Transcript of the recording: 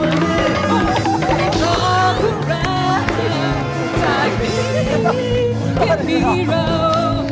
เพราะคุณรักจากนี้แค่มีเรา